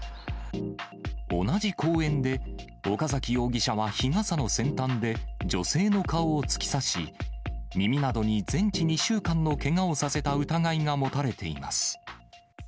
同じ公園で、岡崎容疑者は日傘の先端で女性の顔を突き刺し、耳などに全治２週間のけがをさせた疑いが持たれています。